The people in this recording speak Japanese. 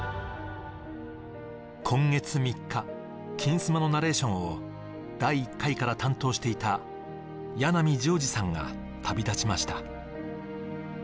今月３日「金スマ」のナレーションを第１回から担当していた八奈見乗児さんが旅立ちました